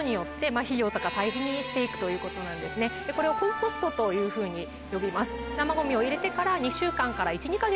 これをコンポストというふうに呼びます。